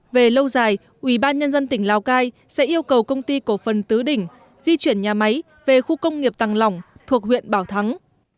về lâu dài ubnd tỉnh lào cai sẽ yêu cầu công ty cổ phần tứ đỉnh di chuyển nhà máy về khu công nghiệp tàng lỏng thuộc huyện bảo thắng